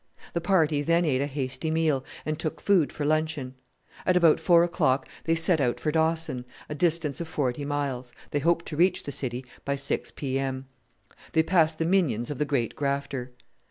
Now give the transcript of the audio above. The party then ate a hasty meal, and took food for luncheon. At about four o'clock they set out for Dawson, a distance of forty miles. They hoped to reach the city by 6 p.m. They passed the minions of the great grafter.